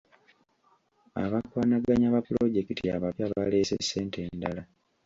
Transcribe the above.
Abakwanaganya ba pulojekiti abapya baleese ssente endala.